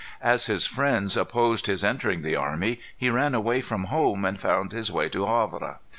As his friends opposed his entering the army, he ran away from home, and found his way to Havre.